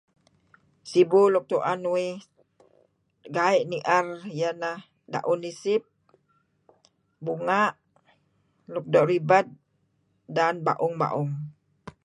Sibu nuk uen uih gai' nier iyeh ineh Daun Isip., Bunga', nuk doo' ribed dan baung-baung.